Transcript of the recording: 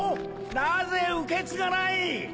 なぜ受け継がない！？